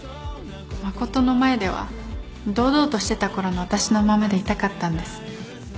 真琴の前では堂々としてたころの私のままでいたかったんです